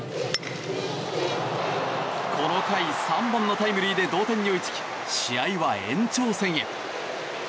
この回３本のタイムリーで同点に追いつき試合は延長戦へ。